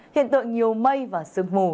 hiện tượng nhiều mây và sương mù